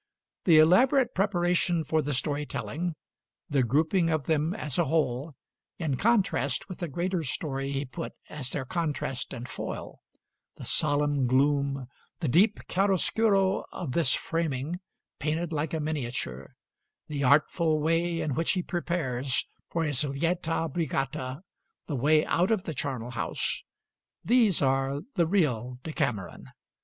The elaborate preparation for the story telling; the grouping of them as a whole, in contrast with the greater story he put as their contrast and foil; the solemn gloom, the deep chiaroscuro of this framing, painted like a miniature; the artful way in which he prepares for his lieta brigata the way out of the charnel house: these are the real 'Decameron.'